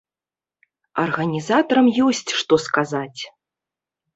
Арганізатарам ёсць што сказаць!